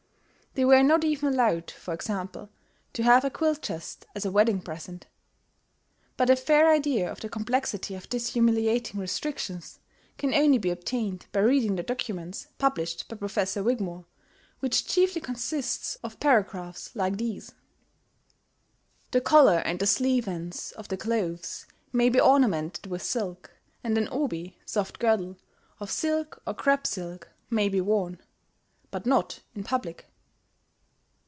They were not even allowed, for example, to have a quilt chest as a wedding present. But a fair idea of the complexity of these humiliating restrictions can only be obtained by reading the documents published by Professor Wigmore, which chiefly consist of paragraphs like these: "The collar and the sleeve ends of the clothes may be ornamented with silk, and an obi (soft girdle) of silk or crepe silk may be worn but not in public."